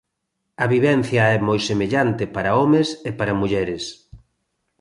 A vivencia é moi semellante para homes e para mulleres.